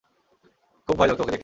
খুব ভয় লাগত ওকে দেখলেই।